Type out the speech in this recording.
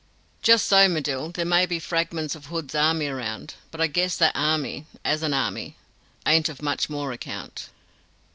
"Just so, Medill, there may be fragments of Hood's army around, but I guess that army, as an army, ain't of much more account!"